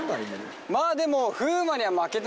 まあでも。